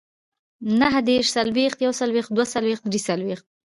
نههدېرش، څلوېښت، يوڅلوېښت، دوهڅلوېښت، دريڅلوېښت